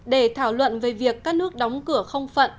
để thảo luận về việc các nước đóng cửa không phận